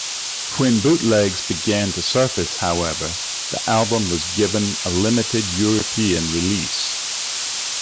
When bootlegs began to surface, however, the album was given a limited European release.